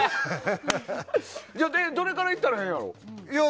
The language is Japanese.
どれからいったらええんやろ？